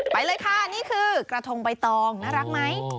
ไปเลยค่ะนี่คือกระทงใบตองน่ารักไหม